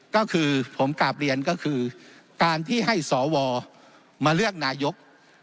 ก็คือผมกราบเรียนก็คือการที่ให้สวมาเลือกนายก